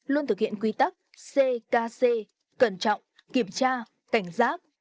luôn thực hiện quy tắc ckc cẩn trọng kiểm tra cảnh giác